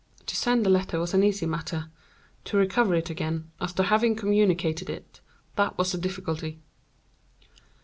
To send the letter was an easy matter; to recover it again, after having communicated it, that was the difficulty.